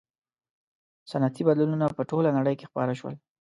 • صنعتي بدلونونه په ټولې نړۍ کې خپاره شول.